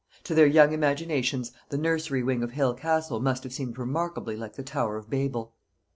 To their young imaginations the nursery wing of Hale Castle must have seemed remarkably like the Tower of Babel.